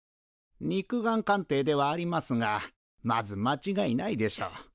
肉眼鑑定ではありますがまずまちがいないでしょう。